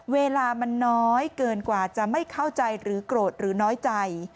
เวลามันน้อยเกินกว่าจะไม่เข้าใจหรือโกรธหรือน้อยใจ